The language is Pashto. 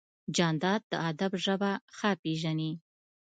جانداد د ادب ژبه ښه پېژني.